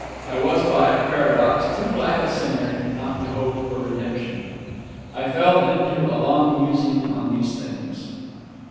I was, by a paradox, too black a sinner not to hope for redemption.... I fell into a long musing on these things....